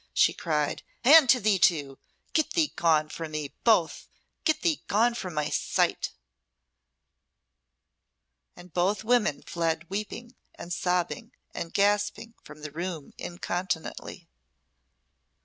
she cried, "and to thee too! Get thee gone from me, both get thee gone from my sight!" And both women fled weeping, and sobbing, and gasping from the room incontinently.